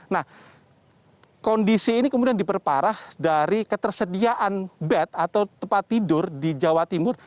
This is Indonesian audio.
nah kondisi ini kemudian diperparah dari ketersediaan bed atau tempat tidur di jawa timur